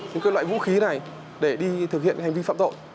những cái loại vũ khí này để đi thực hiện hành vi phạm tội